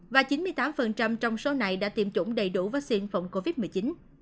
và chín mươi tám trong số này đã tiêm chủng đầy đủ vaccine phòng covid một mươi chín